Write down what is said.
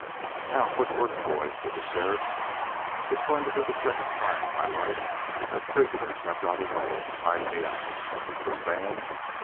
"Now, quick work, boys," said the sheriff. "It's going to be the second time in my life that prisoners have got away and tied me up. Understand?